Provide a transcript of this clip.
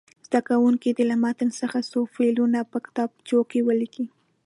زده کوونکي دې له متن څخه څو فعلونه په کتابچو کې ولیکي.